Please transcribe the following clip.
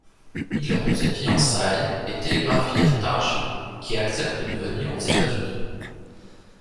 Il rompt ses fiançailles, et télégraphie à Tarji qui accepte de venir aux États-Unis.